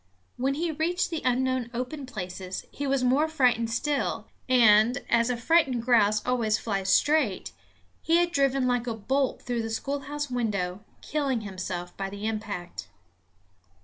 When he reached the unknown open places he was more frightened still and, as a frightened grouse always flies straight, he had driven like a bolt through the schoolhouse window, killing himself by the impact.